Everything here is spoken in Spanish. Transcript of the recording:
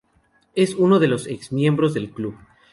Es uno de los ex-miembros del club.